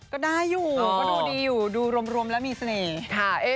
ก็ได้อยู่ก็ดูดีอยู่ดูรวมแล้วมีเสน่ห์ค่ะ